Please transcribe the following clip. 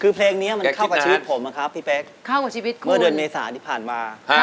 คือเพลงเนี้ยมันเข้ากับชีวิตผมอะครับพี่แป๊กเมื่อเดือนเมษาที่ผ่านมา